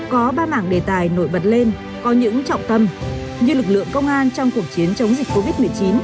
có ba mảng đề tài nổi bật lên có những trọng tâm như lực lượng công an trong cuộc chiến chống dịch covid một mươi chín